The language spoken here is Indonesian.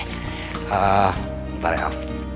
eeeh ntar ya al